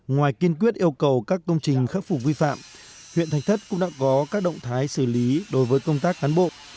ngoài kiên quyết yêu cầu các công trình khắc phục vi phạm huyện thạch thất cũng đã có các động thái xử lý đối với công tác cán bộ